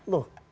yang di depan